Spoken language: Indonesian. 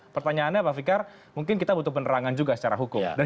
pertanyaannya pak fikar mungkin kita butuh penerangan juga secara hukum